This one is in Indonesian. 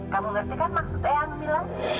kamu ngerti kan maksud eang mila